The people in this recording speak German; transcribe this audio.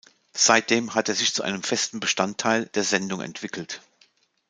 Seitdem hat er sich zu einem festen Bestandteil der Sendung entwickelt.